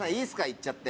いっちゃって。